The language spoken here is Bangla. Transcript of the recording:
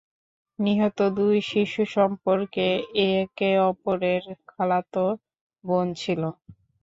নিহত দুই শিশু সম্পর্কে একে অপরের খালাতো বোন ছিল।